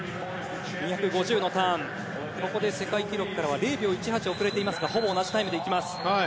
２５０のターンここで世界記録からは０秒１８遅れていますがほぼ同じタイムでいきます。